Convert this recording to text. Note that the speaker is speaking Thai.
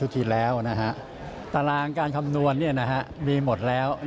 ตลางการการคำนวณมีหมดแล้ว